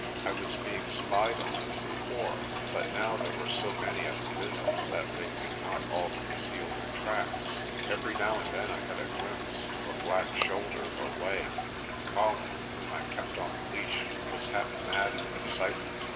I was being spied on as before, but now there were so many at the business that they could not all conceal their tracks. Every now and then I had a glimpse of a black shoulder or leg and Colin, whom I kept on the leash, was half mad with excitement.